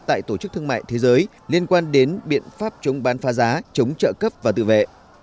tại tổ chức thương mại thế giới liên quan đến biện pháp chống bán phá giá chống trợ cấp và tự vệ